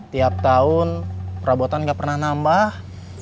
tiap tahun perabotan nggak pernah nambah